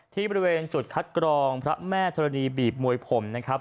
ที่บริเวณจุดคัดกรองพระแม่ธรณีบีบมวยผมนะครับ